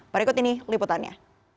berikut ini liputannya